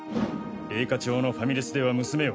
米花町のファミレスでは娘を。